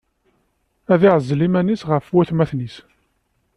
Ad iɛzel iman-is ɣef watmaten-is.